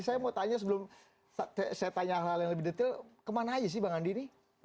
saya mau tanya sebelum saya tanya hal hal yang lebih detail kemana aja sih bang andi ini